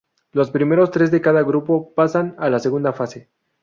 Los primeros tres de cada grupo pasan a la segunda fase.